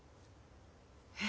えっ？